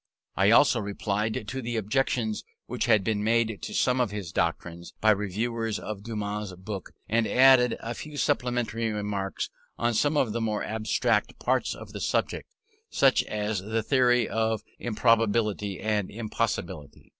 I also replied to the objections which had been made to some of his doctrines by reviewers of Dumont's book, and added a few supplementary remarks on some of the more abstract parts of the subject, such as the theory of improbability and impossibility.